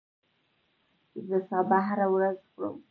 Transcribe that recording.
زه سابه هره ورځ خورم